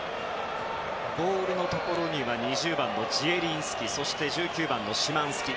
ボールのところには２０番のジエリンスキそして１９番、シマンスキ。